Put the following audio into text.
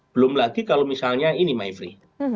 belum lagi kalau misalnya ini maifri